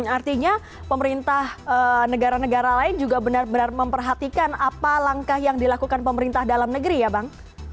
artinya pemerintah negara negara lain juga benar benar memperhatikan apa langkah yang dilakukan pemerintah dalam negeri ya bang